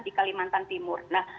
di kalimantan timur